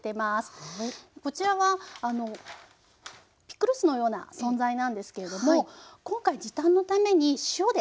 こちらはあのピクルスのような存在なんですけれども今回時短のために塩で。